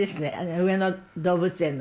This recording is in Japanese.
上野動物園の。